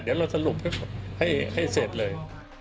เดี๋ยวเราสรุปให้เสร็จเลย